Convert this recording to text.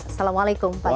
assalamualaikum pak gai